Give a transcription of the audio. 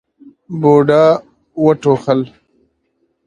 بوډا وټوخل.